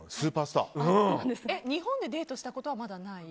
日本でデートしたことはまだない？